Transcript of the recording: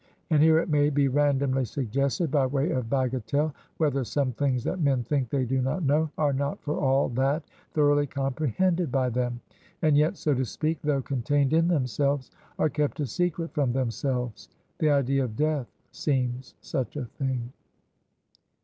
And here it may be randomly suggested, by way of bagatelle, whether some things that men think they do not know, are not for all that thoroughly comprehended by them; and yet, so to speak, though contained in themselves, are kept a secret from themselves? The idea of Death seems such a thing.